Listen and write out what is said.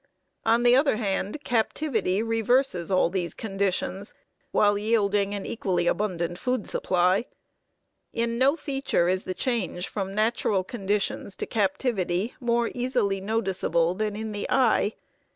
On the other hand, captivity reverses all these conditions, while yielding an equally abundant food supply. In no feature is the change from natural conditions to captivity more easily noticeable than in the eye.